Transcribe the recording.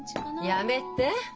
やめて！